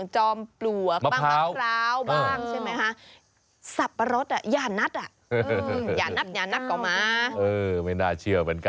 จอมปลวกบ้างมะพร้าวบ้างใช่ไหมคะ